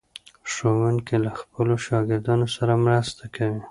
ښوونکی له خپلو شاګردانو سره مرسته کوي.